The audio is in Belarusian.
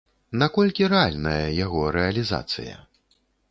Наколькі рэальная яго рэалізацыя?